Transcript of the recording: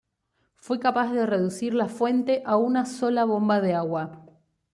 Fue capaz de reducir la fuente a una sola bomba de agua.